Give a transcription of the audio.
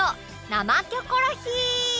「生キョコロヒー」！